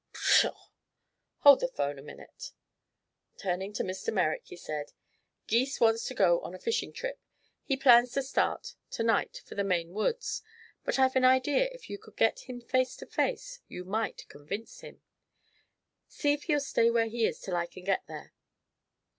Pshaw! Hold the phone a minute." Turning to Mr. Merrick, he said: "Gys wants to go on a fishing trip. He plans to start to night for the Maine woods. But I've an idea if you could get him face to face you might convince him." "See if he'll stay where he is till I can get there."